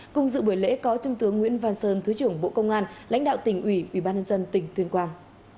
cùng dự buổi lễ có trung tướng nguyễn văn sơn thứ trưởng bộ công an lãnh đạo tỉnh ủy ubnd tỉnh tuyên quang